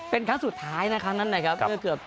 เป็นครั้งสุดท้ายนะครั้งนั้นนะครับ